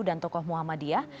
dan tokoh muhammadiyah